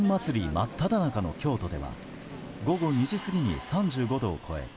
真っただ中の京都では午後２時過ぎの３５度を超え